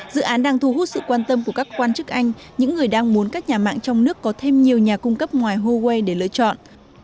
dự án đang thu hút sự quan tâm của các quan chức anh những người đang muốn các nhà mạng trong nước có thêm nhiều nhà cung cấp ngoài huawei để lựa chọn